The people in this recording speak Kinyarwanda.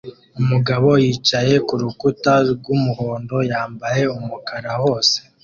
Umugabo yicaye kurukuta rwumuhondo yambaye umukara wose